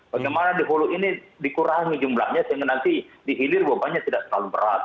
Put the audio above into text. bagaimana diholu ini dikurangi jumlahnya sehingga nanti dihilir wabahnya tidak terlalu berat